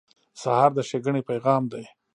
سهار د ښېګڼې پیغام دی.